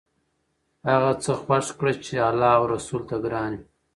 هغه څه خوښ کړه چې الله او رسول ته ګران وي.